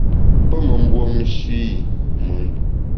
Pe me mbuomshe i mùn.